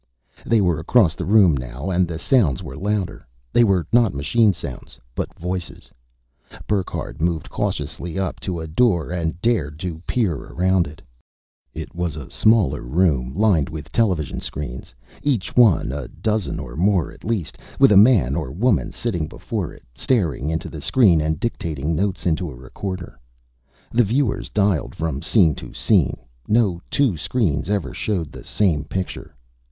They were across the room now and the sounds were louder. They were not machine sounds, but voices; Burckhardt moved cautiously up to a door and dared to peer around it. It was a smaller room, lined with television screens, each one a dozen or more, at least with a man or woman sitting before it, staring into the screen and dictating notes into a recorder. The viewers dialed from scene to scene; no two screens ever showed the same picture.